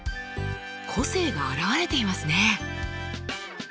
個性があらわれていますね。